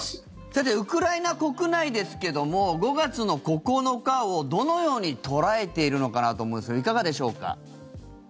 さてウクライナ国内ですけども５月の９日をどのように捉えているのかなと思うんですけどもいかがでしょうか？